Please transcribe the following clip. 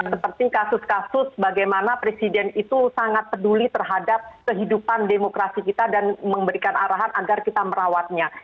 seperti kasus kasus bagaimana presiden itu sangat peduli terhadap kehidupan demokrasi kita dan memberikan arahan agar kita merawatnya